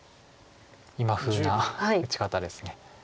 今風な打ち方です。